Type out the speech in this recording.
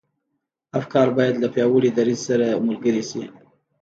افکار بايد له پياوړي دريځ سره ملګري شي.